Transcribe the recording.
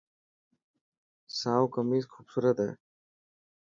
سائو ڪميز خوبصورت هي.